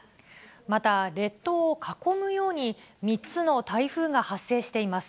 また、列島を囲むように、３つの台風が発生しています。